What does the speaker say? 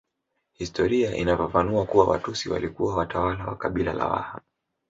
Historia inafafanua kuwa Watusi walikuwa watawala wa kabila la Waha